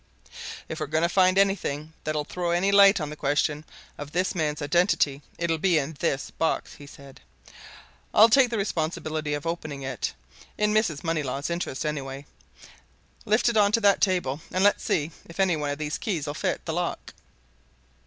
"If we're going to find anything that'll throw any light on the question of this man's identity, it'll be in this box," he said. "I'll take the responsibility of opening it, in Mrs. Moneylaws' interest, anyway. Lift it on to that table, and let's see if one of these keys'll fit the lock."